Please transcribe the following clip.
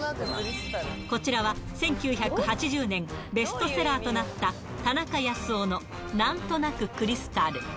こちらは１９８０年、ベストセラーとなった、田中康夫のなんとなく、クリスタル。